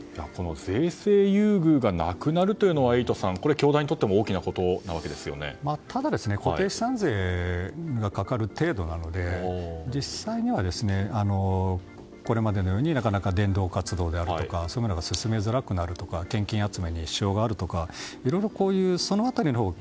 税制優遇がなくなるというのはエイトさん、教団にとってもただ、固定資産税がかかる程度なので実際には、これまでのようになかなか伝道活動が進めづらくなるとか献金集めに支障があるとかいろいろ、その辺りを